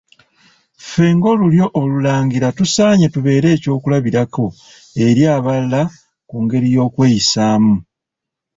Ffe ng'Olulyo Olulangira tusaanye tubeere eky'okulabirako eri abalala ku ngeri y'okweyisaamu.